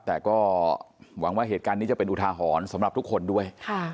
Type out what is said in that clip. แต่ก็หวังว่าเหตุการณ์นี้จะเป็นอุทาหรณ์สำหรับทุกคนด้วย